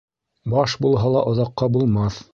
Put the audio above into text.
Баш булһа ла оҙаҡҡа булмаҫ.